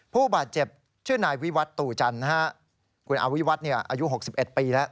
ผู้บาดเจ็บชื่อนายวิวัตตู่จันทร์คุณอวิวัฒน์อายุ๖๑ปีแล้ว